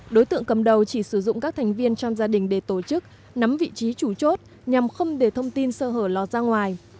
đối tượng cầm đầu chỉ sử dụng các thành viên trong gia đình để tổ chức nắm vị trí chủ chốt nhằm không để thông tin sơ hở lọt ra ngoài